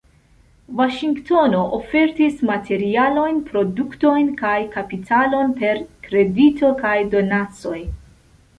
Vaŝingtono ofertis materialojn, produktojn kaj kapitalon per kredito kaj donacoj.